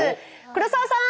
黒沢さん！